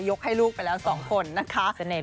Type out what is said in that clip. ยกให้ลูกไปแล้วสองคนนะคะเสน่ห์เลย